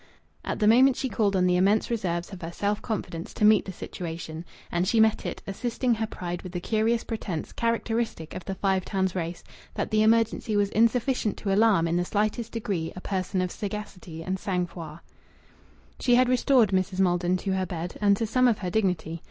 At the moment she called on the immense reserves of her self confidence to meet the situation and she met it, assisting her pride with the curious pretence, characteristic of the Five Towns race, that the emergency was insufficient to alarm in the slightest degree a person of sagacity and sang froid. She had restored Mrs. Maldon to her bed and to some of her dignity.